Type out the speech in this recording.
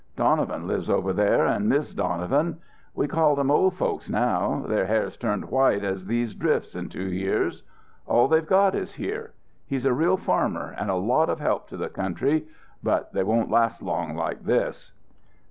"Donovan lives over there and Mis' Donovan. We call them 'old folks' now; their hair has turned white as these drifts in two years. All they've got is here. He's a real farmer and a lot of help to the country, but they won't last long like this."